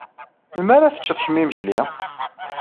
Melmi ara teččeḍ kemm imekli?